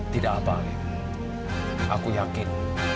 tidak apa aku yakin